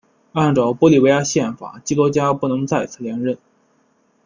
按照玻利维亚宪法基罗加不能再次连任。